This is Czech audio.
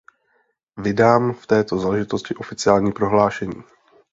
Vydám v této záležitosti oficiální prohlášení.